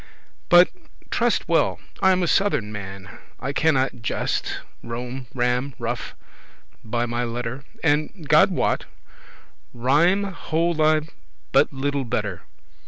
But, truste well, I am a southern man, I cannot gest,* rom, ram, ruf, <1> by my letter; *relate stories And, God wot, rhyme hold I but little better.